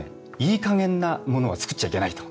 いいかげんなものは作っちゃいけないと。